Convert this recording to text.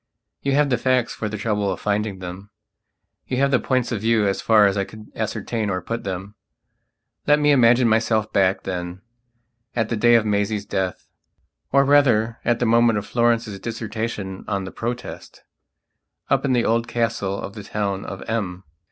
You have the facts for the trouble of finding them; you have the points of view as far as I could ascertain or put them. Let me imagine myself back, then, at the day of Maisie's deathor rather at the moment of Florence's dissertation on the Protest, up in the old Castle of the town of M.